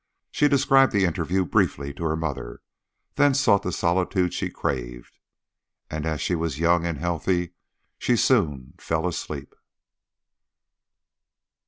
She described the interview briefly to her mother, then sought the solitude she craved. And as she was young and healthy, she soon fell asleep.